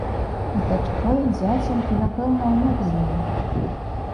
З дачкой, зяцем і, напэўна, унук з імі.